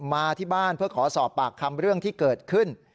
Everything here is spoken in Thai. มาที่บ้านเพื่อขอสอบปากคำเรื่องที่เกิดขึ้น